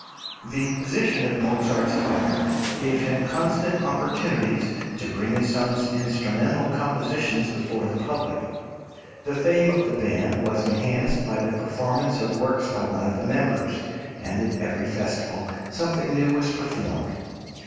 The position of Mozart's father gave him constant opportunities of bringing his son's instrumental compositions before the public. The fame of the band was enhanced by the performance of works by one of the members, and at every festival something new was performed.